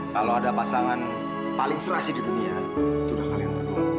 kalau ada pasangan paling serasi di dunia itu udah kalian berdua